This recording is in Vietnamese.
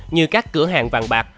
như các cửa hàng vàng bạc